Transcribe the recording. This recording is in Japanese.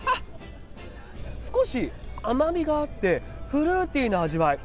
少し甘みがあって、フルーティーな味わい。